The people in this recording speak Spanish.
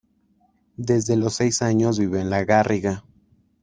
Desde los seis años vive en La Garriga.